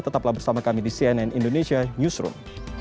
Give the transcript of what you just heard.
tetaplah bersama kami di cnn indonesia newsroom